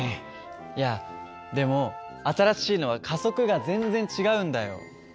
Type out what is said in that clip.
いやでも新しいのは加速が全然違うんだよ。